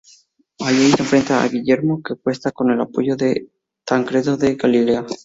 Allí se enfrenta a Guillermo, que cuenta con el apoyo de Tancredo de Galilea.